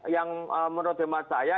yang menurut demat saya